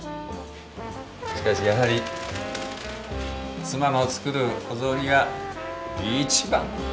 しかしやはり妻の作るお雑煮が一番！